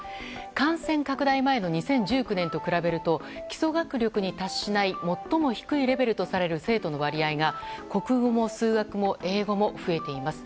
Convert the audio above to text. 感染拡大前の２０１９年と比べると基礎学力に達しない最も低いレベルとされる生徒の割合が国語も数学も英語も増えています。